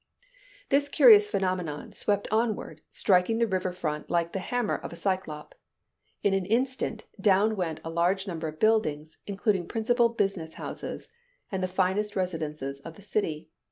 This curious phenomenon swept onward, striking the river front like the hammer of a Cyclop. In an instant, down went a large number of buildings, including principal business houses, and the finest residences of the city.